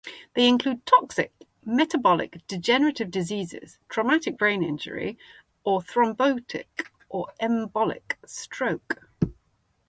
They include toxic, metabolic, degenerative diseases, traumatic brain injury, or thrombotic or embolic stroke.